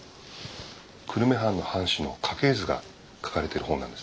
久留米藩の藩士の家系図が描かれてる本なんです。